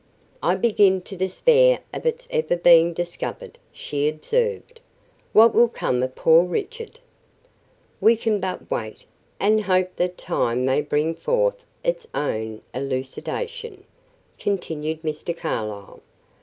"I begin to despair of its ever being discovered," she observed. "What will become of poor Richard?" "We can but wait, and hope that time may bring forth its own elucidation," continued Mr. Carlyle.